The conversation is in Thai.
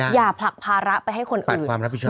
อย่าผลักภาระไปให้คนอื่น